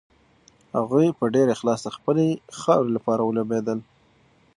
هغوی په ډېر اخلاص د خپلې خاورې لپاره ولوبېدل.